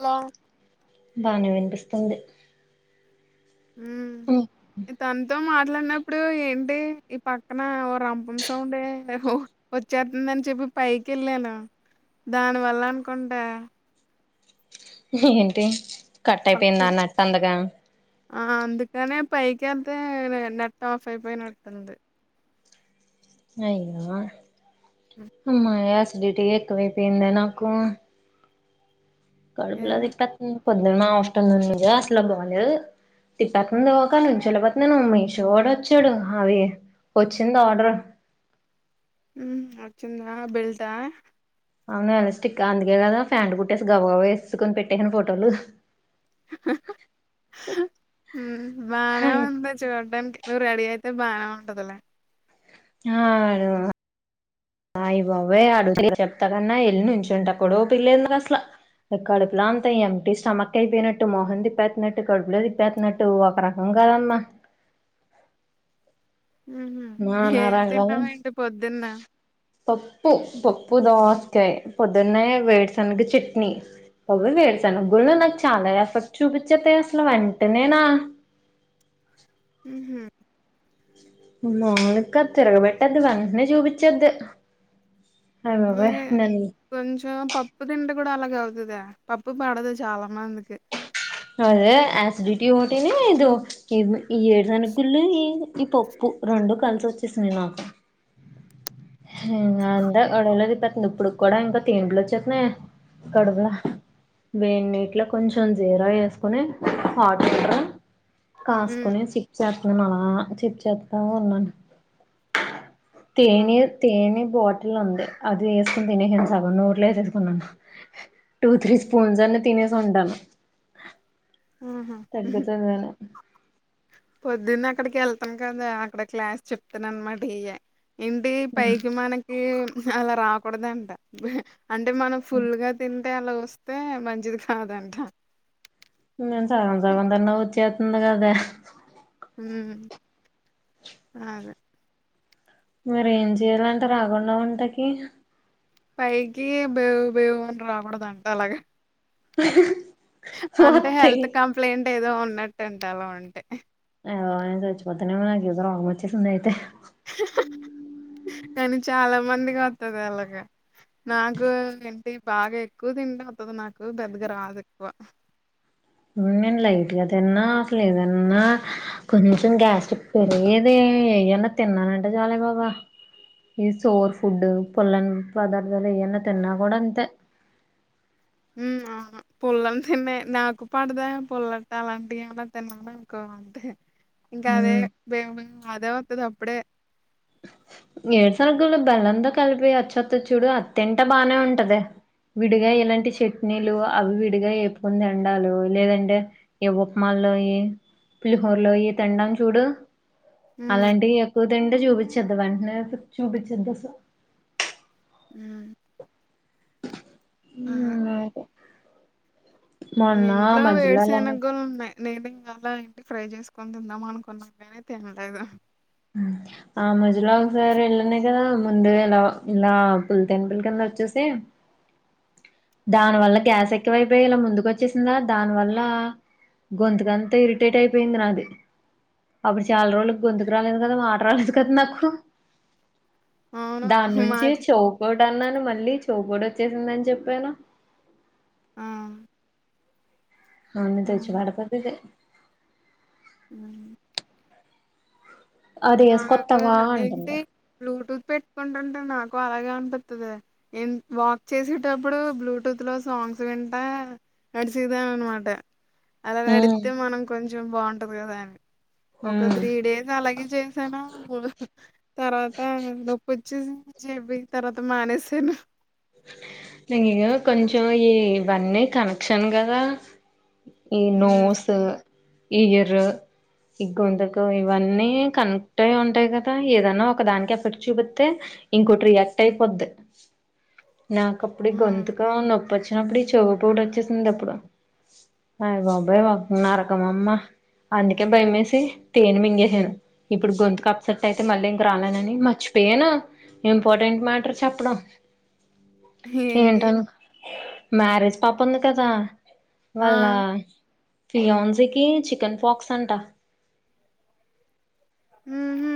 Hello బానే వినిపిస్తు ఇంటికాడే ఉ తనతో మాట్లాడిన ఇప్పుడు ఏంటి ఈ పక్కన ఓ రంపం సౌండే వచ్చేతుందని చెప్పి పైకి వెళ్ళాను దాని వల్ల అనుకుంటా ఏంటి కట్ అయిపోయిందా పక్కన నట్ట అందగా ఆ అందుకనే పైకి ఎళ్తే నెట్ ఆఫ్ అయిపోయినట్టుంది అయ్యో నిన్నా అమావాస్య డ్యూటీ ఎకువైపోయింద నాకు ఏ కడుపులొ తిప్పెత్తుంది పొద్దున్న మా హాస్టల్ నిజ అసలు బలేదు టిఫిన్ కని వెళ్ళిపోతున్నాను మీషో వాడు వచ్చాడు అవి వచ్చింది ఆర్డర్ హ అచిందా బిల్ట్ ఆ అవును వె స్టిక్ అందుకే కదా ఫ్యాన్ కుట్టేసి గబ గవ వేసుకొని పెట్టేసాను ఫోటోలు బానే ఉంది చూడడానికి నువ్వు రెడీ అయితే బాగానే ఉంటదులే ఆను అయి బావే అడుగు చెప్తా కన్నా ఎల్లి నుంచుంటేక్కడో పిల్లేంది అసలు కడుపులో అంతా ఎటి స్టమక్ అయిపోయినట్టు మోహన్ తిప్పేతున్నట్టు కడుపులో తిప్పేతున్నట్టు ఒక రకం కదమ్మా ఉ ఏం తిన్నామ ఏంటి పొద్దున్న పప్పు పప్పు దోసకాయ పొద్దున్నే వేడుశనగ చట్నీ అవి వేడుశనగ్గులను నాకు చాలా ఎఫర్ట్ చూపిచ్చిద్ది అసలు వెంటనేనా హ్మ్ హు నాలుక తిరగ పెట్టేతది అన్నింటినీ చూపిచ్చద్దు మ్మ్ కొంచం పప్పు తంట కూడా అలాగ అవుతుదా పప్పు పడదు చాలా మందికి అదే అసిడిటీ ఓటీను డు [unintelligible] ఈ ఏడు శనగులు [unintelligible] ఈ పప్పు రెండు కలిసిఒచ్చేసింది మాకు ఇంగ అంతే [unintelligible] ఇప్పుడు కూడా ఇంకా తెంపులు వచ్చేత్తున్నాయి కడువులో వేన్నిట్లో కొంచెం చే ల వేసుకొని హట్ వాటర్ హ్మ్. కాసుకొని సిప్ చేస్తున్నాం అలా ఇచ్చేత్త ఉన్నాను ఆ తేనె తేనె బాటిల్ ఉంది అది వేసుకుని తినేసను సగం నోట్లో వేసుకున్నాను టూ త్రీ హ్మ్ స్పూన్సన్న తినేస్ ఉంటను ఆహ హ్మ్ హు తగ్గుతుందని పొద్దున్న అక్కడికి వెళ్ళ త్తం కదా అక్కడ క్లాస్ చెప్తున్నా అనమాట ఇగ ఇంటి ఇంక పైకి మనకి అలా రాకూడదంట అంటే మనం ఫుల్ గా తిని అంటే అలా వస్తే మంచిది కాదంట న సగం సగంసగంతిన్న వచ్చేస్తుంది కదే హమ్ అదే మీరు ఏం చెయ్యాలంట రాకుండా వంటకి పైకి బేవు బేవుని రాకుద్దంట అలాగ అంటే వత్తయ్ హెల్త్ కంప్లైంట్ ఏదో ఉన్నట్టంట అలా ఉంటే అయ చచ్చిపోతనేమో నాకు ఏదో రోగం వచ్చేసిందైతే కానీ చాలా మందిగా వత్తది అలాగ నాకు ఏంటి బాగా ఎక్కువ తింటే వస్తాది నాకు పెద్దగా రాదు ఎక్కువ నేను లైట్ గా తిన్నా అసలు ఏదన్నా కొంచెం గ్యాస్ట్రిక్ పెరిగేది ఏదన్నా తిన్నానంటే చాలే బాబా ఈ సోర్ ఫుడ్ పుల్లని పదార్థాలు ఏయన్నా తిన్నా కూడా అంతే హ్మ్మ్ ఆవును పులం తిన్నె నాకు పడదే పుల్లట్టు అలాంటివినా తిన్నానుకో అంటే ఇంకా అదే ఉమ్ [unintelligible] అదే వత్తది అప్పుడే ఎరుసన్నగుల్లు బెల్లంతో కలిపి ఆచోత్తడ్చుడు ఆదితింట్టే బానే ఉన్నట్టదే విడిగా ఇలాంటి చట్నీలు అవి విడిగా వేపుకుని తండాలు లేదంటే ఉప్పమల్లోయి పులిహోర్లయి తినడం చూడు హ్మ్ అలాంటివి ఎక్కువ తింటే చూపి [unintelligible] [unintelligible] మ్మ్ ఆహా [unintelligible] మొన్న ఇంట్లో మధ్యలో అలానే వెర్సనగుళ్ళు ఉన్నాయి నేను ఇంకా అలా ఇంటి ఫ్రై చేసుకని తిందాం అనుకున్న గాని తినలేదు ఆ [unintelligible] ఒకసారి ఎల్నే కదా ముందు ఇలా ఇలా [unintelligible] వచ్చేసి దాని వల్ల గ్యాస్ ఎక్కువైపోయి ఇలా ముందుకు వచ్చేసిందా దాని వల్ల గొంతుకంత ఇరిటేట్ అయిపోయింది నాది అప్పుడు చాలా రోజుల గొతు దరాలేదు కదా మాట రాలేదు కదా నాకు అవును దాని నుంచి మాది [unintelligible] ఇప్పుడ అన్నాను మళ్ళీ చోపూడి వచ్చేసిందని చెప్పాను ఆ అని తెచ్చి హ్మ్ పెడతాదిదే [unintelligible] అది నాకు ఎస్కొస్తవ ఏంటి అంటుంది బ్లూటూత్ పెట్టుకుంటుంటే నాకు అలాగ అనిపతుంది వాక్ చేసేటప్పుడు బ్లూటూత్ లో సాంగ్స్ వింటా నడిచదాన అనమాట అలా ఉమ్ నడితే మనం కొంచం [unintelligible] బాగుంటది కదా అని ఒక ఉమ్ త్రీ డేస్ అలాగే చే తర్వాత నొప్పిచ్చేసి చెబి తర్వాత మానేసాను ఇక కొంచెం ఈవన్నీ కనెక్షన్ కదా ఈ హ్మ్. నోస్ ఇయరు ఈ గొంతుకు ఇవన్నీ కనెక్ట్ అయి ఉంటాయి కదా ఏదనా ఒక దానికి ఎఫెక్ట్ చూపితే ఇంకోటి రియాక్ట్ అయిపోద్ నాక అప్పుడు అవును. గొంతుగా [unintelligible] నప్పు ప్పు వచ్చినప్పుడు ఈ చవు పొట్టు వచ్చేసింది ఎప్పుడు అయ్ బాబాయ్ నరకం అమ్మ అందుకే భయమేసి తేనె మింగేసాను ఇప్పుడు గొంతుకు అప్సెట్ అయితే మళ్ళీ ఇంక రాలేనని మర్చిపోయాను ఇంపార్టెంట్ మ్యాటర్ చెప్పడం ఏంటి ఏంటను మ్యారేజ్ పాప ఉంది కదా ఆ! వాళ్ల్ళ ఫియోన్జీకి చికెన్ పాక్స్ అంట ఉహు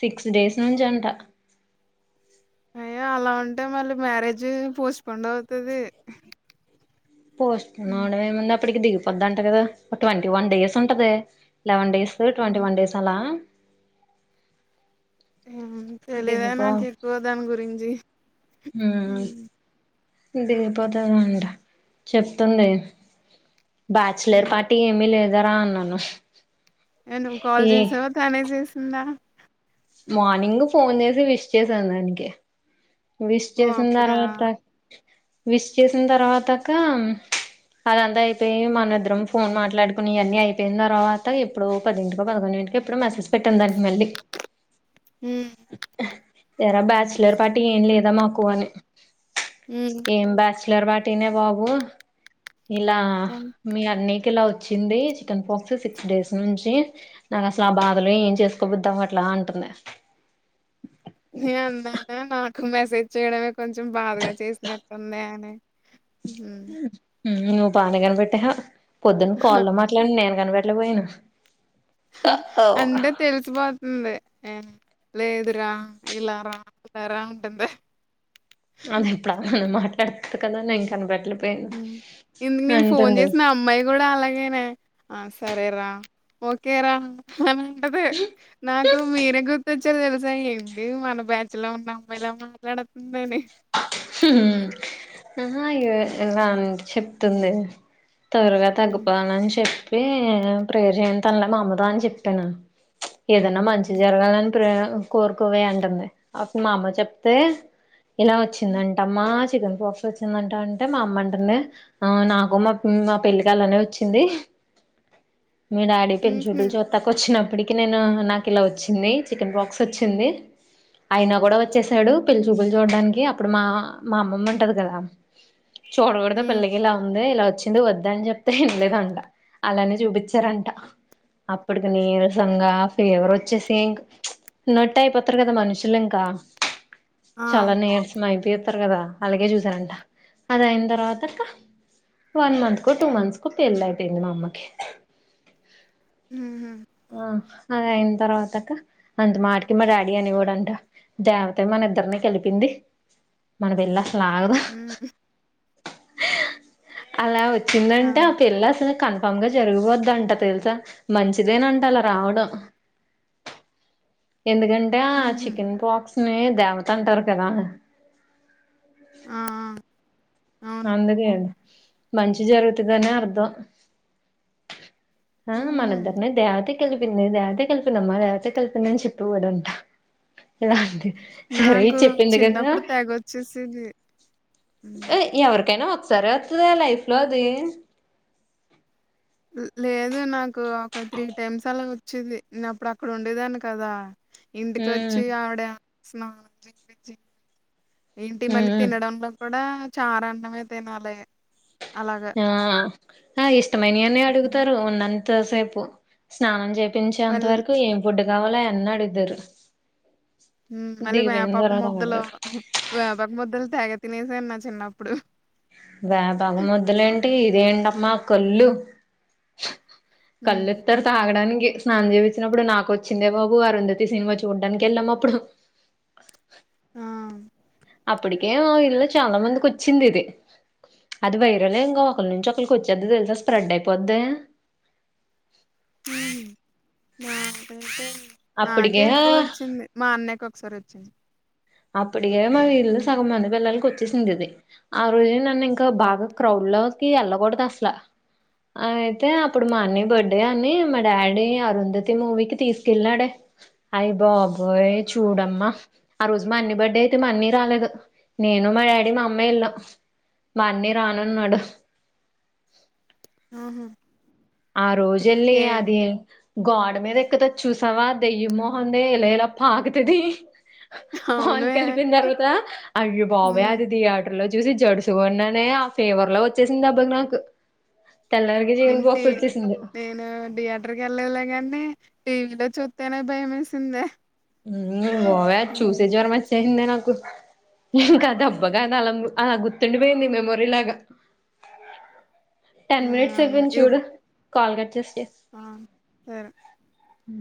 సిక్స్ డేస్ నుంచి అంట అయ్యా అలా ఉంటే మళ్ళీ మ్యారేజ్ పోస్పోండ్ అవుతుది పోస్ట్ [unintelligible] ఆప్పటికి దిగిపోద్దంట కదా ఒక ట్వంటీ వన్ డేస్ ఉంటది లవెన్ డేస్ ట్వంటీ హ్మ్. వన్ డేస్ అలా హు తెలిదా నాకు ఎక్కువ దాని గురించి హూ దగిపోతుందా అంట చెప్తుంది. బ్యాచలర్ పార్టీ ఏమి లేదు దరా అన్నాను నువ్వు కాల్ ఈ చేసావా తనే చేసి సింద మార్నింగ్ ఫోన్ చేసి విష్ చేసాను దానికి విష్ ఓ చేసిన అప్పుడా తర్వాత విష్ చేసిన తర్వాత అక్క అదంతా అయి మనిద్దరం ఫోన్ మాట్లాడుకుని అన్నీ అయిపోయిన తర్వాత ఎప్పుడు పదింటికో పదకొండు గంటంటికి ఎప్పుడడు మెసేజ్ పెట్టిందట మళ్ళీ హు ఎర బ్యాచులర్ పార్ టి ఏం లేదా మాకు అని ఏం బ్యాచలర్ వా తిన బాబు ఇలా మీ అన్ని ఇలా వచ్చింది చికెన్ పోక్స్ సిక్స్ డేస్ నుంచి నాకు అసలు ఆ బాధలు ఏం చేసుకోబద్దాం అట్లా అంటుంది. న అన్నాను నాకు మెసేజ్ చేయడమే కొంచెం బాధగా చేసినట్టు ఉంది అని హ నువు బానే కనపెట్టే పొద్దున్న కాల్లో మాట్లాడి నేను కనబట్లేక పోయినను హా అంటే తెలిసిపోతుంది. లేదురా ఇలారా ఇలా రా అంటుంది అద ఇప్పుడున్న మాట పెడతు కదా నే ఇం కనపెట్టలేదు ఇందుకు నేను ఫోన్ చేసిన నా అమ్మాయి కూడా అలాగేనేస సరేరా ఓకేరా అంటదే నాకు మీర గుర్తుొచ్చ స తెలుసా ఏంటి మన బ్యాచ్ లో ఉన్న అమ్మాయిలా మాట్లాడుతుందని ఆ అయ్యో ఇలా చెప్తుంది త్వరగా ఉమ్. తగ్గిపోవాలని చెప్ప చెప్పి ప్రేరు చేయ తనల మా అమ్మతో అని చెప్పానును, ఏదన్నా మంచి జరగాలని ప్రే కోరుకోవే అంటుంది, అప్పుడు మా అమ్మ చెప్తే ఎలా వచ్చిందంటమ్మా చికెన్ పాక్స్ వచ్చిందంటా అంటే, మా అమ్మ అంటనే నాకు మా మా పెళ్ళికి అలానే వచ్చింది. మీ డాడీ పెలి ఉహు చుడ్లు చూత్తాక వచ్చినప్పటికి చికెన్ నాకు ఇలా వచ్చింది చికెన్ బాక్స్ వచ్చింది, ఆయన కూడా వచ్చసాడు పిలిచు చూడడానికి అప్పుడు మా మా అమ్మమ్మ ఉంటది కదా చోడ గొడతో ఉమ్ పల్లకిలా ఉంది ఇలా వచ్చింది వద్దా అని చెప్తే వినలేదంట, అలానే చూపిించారంట, అప్పటికి నీరసంగా ఫేవర్ వచ్చేసిం నట్టు అయిపోతారు కదా మనుషులు ఇంకా ఆ చాలా నేర్చినయితే కదా అలాగే చూసారంట అది అయిన తర్వాత కా, వన్ మంత్ కు టూ మంత్స్ కు పెళ్ళ అయిపోయింది మా అమ్మకి ఉహు ఆ అద అయిన తర్వాత కా అంత మాటికి మా డాడీ అని ఇవ్వడంట మ డాడీ జాగా ప్పింది మన వెళ్ల్ళ లాగదా ఉమ్ అలా వచ్చిందంటే ఆ పెళ్ళ అసలు కను పంగా జరిగిపోద్దంట తెలుసా మంచిదేనంట అలా రావడం ఎందుకంటే ఆ ఉహు చికెన్ పాక్స్ నే దేవత అంటారు కదా ఆ ఆ అవును అందుకే అండి మంచి జరుగుతుదనే అర్ధం ఆ ఉహు మనిద్దరినీ దేవతకి కలిపింది దేవతే కలిపిందిమ్మా దేవతే కలిపిందని చెప్పు కూడాడంట ఇలాంటి సరే నాకు చెప్పింది కదా చిన్నప్పుడు తెగొచ్చేసేది ఎకైనా ఒసర అతుదా లైఫ్ లో అద లేదు నాకు ఒక త్రీ టైమ్స్ అలా వచ్చేది నేను అప్పుడు అక్కడ ఉండేదాన్ని కదా ఇంటికి వచ్చి ఉమ్ ఆవిడ స్నానం చేపిచ్చి ఏంటి మళ్ళీ ఉమ్ తినడంలో కూడా చారు అన్నమే తినాలి అలాగా ఆ ఆ ఇష్టమైన అన్ని అడుగుతారు ఉందంత దం స్నానం చె [inaudible] చేంత మళ్ళీ వరకు ఏం ఫుడ్ గవాల ఎన్నాడద్దారు హ అలీ వ్యాపక్ మొద్లో వ్యాపక్ మొద్ల లో తెగ తినేసా నా చిన్నప్పుడు వేపగ ముద్దలేంటి ఇదేంటమ్మా కళ్ళు ఉమ్ కల్లత్త తాగడానికి నీకు స్నానం చేపించ్చినప్పుడు నాకొచ్చిందే బాబు అరుంధతి సినిమా చూడ్డానికి వెళ్ళాం అప్పుడు ఆ అప్పటికే మా ఇల్లల్లో చాలా మందికి వచ్చింది ఇది అది వైరలే ఇంకా ఒకళ నుంచి ఒకరికి వచ్చేది తెలుసా స్ప్రెడ్ అయిపోది [inaudible] అప్పటికే నాకే ఎక్కువ వచ్చింది మా అన్నయ్యకి ఒకసారి వచ్చింది అప్పడికే మా వీధిలో సగం మంది పిల్లలకి వచ్చేసింది ఇది ఆ రోజే నన్ను ఇంకా బాగా క్రౌడ్ లోకి వెళ్ళకూడదుఅసలా అ అయితే అప్పుడు మా అన్ని బర్త్డే అని మా డాడీ అరుంధతి మూవీకి తీసుకెళ్ళాడే అయి బాబోయ చూడమ్మా ఆ రోజు మా అన్ని బర్డే అయితే మా అన్ని రాలేదు నేను మా డాడీ మా అమ్మే వెళ్ళం మా అన్నీ రానన్నాడు ఆహా ఆ రోజళ్ళి ఏ అది గోడ్ మీద ఎక్కుతది చూసావా దెయ్యిం మొహందీ ఇలా ఇలా పాకుతది పాలు అవును కలిపిన తర్వాత అయ్యో బాబో నింటి అది తీగాడు లో చూసి జడుసు కొన్నానే ఆ ఫేవర్ లో వచ్చేసింది దెబ్బకి నాకు తెల్లారితే జీవం పోస్తారు నేనా థియేటర్కెళ్ళాల్లే అండి దేకుతా చూత్తేనే భయం వేసిందే మ్ బాబోయ్ ఉమ్ చూసే జరమొచ్చేసిందే నాకు ఇంకా దెబ్బకది అలా అలా గుర్తుండిపోయింది మెమోరీ లాగా టెన్ మినిట్స్ బాగుంది అయిపోయింది ఇప్ చూడు కాల్ కట్ చేస్తే ఆ సరే హు